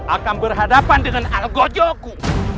akan berhadapan dengan algojoku